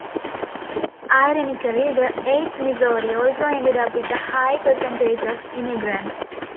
Ironically, the Eighth Missouri also ended up with a high percentage of immigrants.